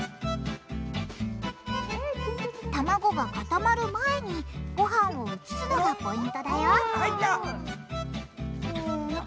卵が固まる前にごはんを移すのがポイントだよ入った！